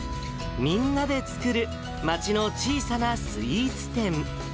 みんなで作る町の小さなスイーツ店。